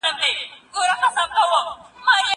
زه پرون د کتابتون کتابونه ولوستل؟